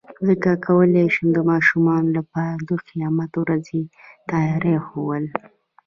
څنګه کولی شم د ماشومانو لپاره د قیامت د ورځې تیاري ښوول